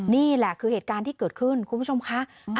นี่แหละคือเหตุการณ์ที่เกิดขึ้นคุณผู้ชมค่ะ